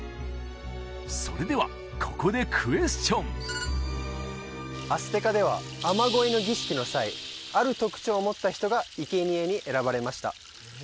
それではここでクエスチョンアステカでは雨乞いの儀式の際ある特徴を持った人が生贄に選ばれました